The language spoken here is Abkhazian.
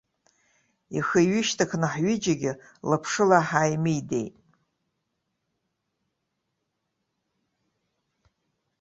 Ихы ҩышьҭхны ҳҩыџьагьы лаԥшыла ҳааимидеит.